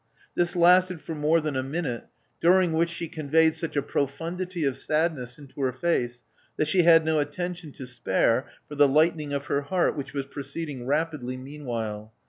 This lasted for more than a minute, during which she conveyed such a pro fundity of sadness into her face that she had no atten tion to spare for the lightening of her heart which was proceeding rapidly meanwhUe.